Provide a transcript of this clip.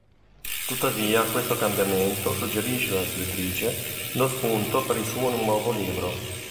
Tuttavia questo cambiamento suggerisce alla scrittrice lo spunto per il suo nuovo libro.